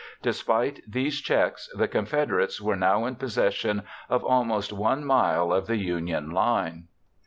Despite these checks, the Confederates were now in possession of almost 1 mile of the Union line.